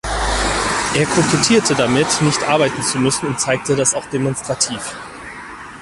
Er kokettierte damit, nicht arbeiten zu müssen und zeigte das auch demonstrativ.